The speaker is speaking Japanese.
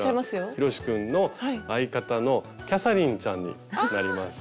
ヒロシ君の相方のキャサリンちゃんになります。